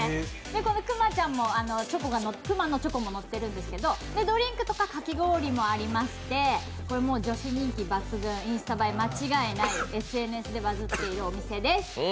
このくまちゃんのチョコものってるんですけど、ドリンクとかかき氷もありまして、女子人気抜群、インスタ映え間違いなし、ＳＮＳでバズってるお店です。